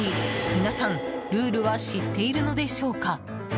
皆さん、ルールは知っているのでしょうか？